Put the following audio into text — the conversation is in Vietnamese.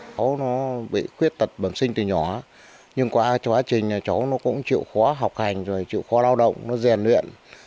cháu nó bị khuyết tật bầm sinh từ nhỏ nhưng qua quá trình cháu nó cũng chịu khó học hành chịu khó lao động nó rèn luyện